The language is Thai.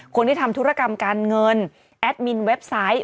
คนที่ทำธุรกรรมการเงินแอดมินเว็บไซต์